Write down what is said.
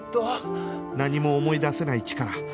何も思い出せないチカラ